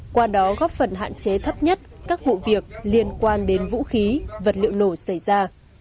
qua đó góp phần hạn chế thấp nhất các vụ việc liên quan đến vũ khí vật liệu nổ xảy ra